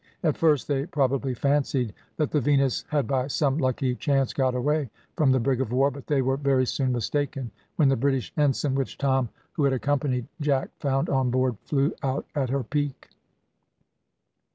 At first they probably fancied that the Venus had by some lucky chance got away from the brig of war; but they were very soon mistaken, when the British ensign which Tom, who had accompanied Jack, found on board flew out at her peak.